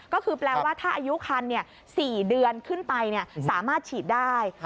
ก็คือแปลว่าถ้าอายุคัน๔เดือนขึ้นไปสามารถฉีดได้